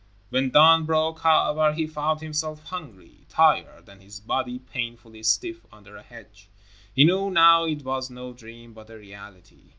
When dawn broke, however, he found himself hungry, tired, and his body painfully stiff, under a hedge. He knew now it was no dream but a reality.